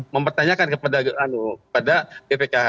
mempertanyakan kepada bpkh